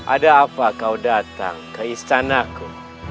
ada apa kau datang ke istanaku